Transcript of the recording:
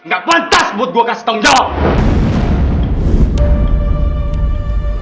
gak pantas but gue kasih tanggung jawab